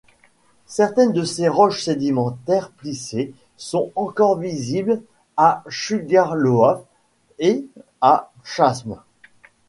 Certaines de ses roches sédimentaires plissées sont encore visibles à Sugarloaf et à Chasms.